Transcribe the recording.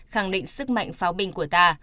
khẳng định sức mạnh pháo binh của ta